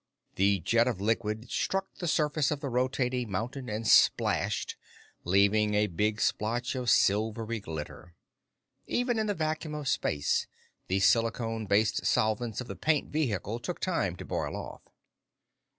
The jet of liquid struck the surface of the rotating mountain and splashed, leaving a big splotch of silvery glitter. Even in the vacuum of space, the silicone based solvents of the paint vehicle took time to boil off.